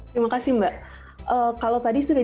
terima kasih mbak kalau tadi sudah